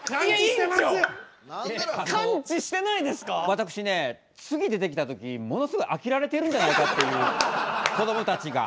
私ね次出てきた時ものすごい飽きられてるんじゃないかっていうこどもたちが。